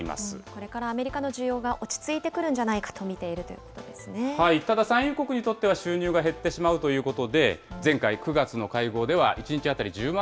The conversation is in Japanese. これからアメリカの需要が落ち着いてくるんじゃないかと見てただ、産油国にとっては収入が減ってしまうということで、前回・９月の会合では、１日当たり１０万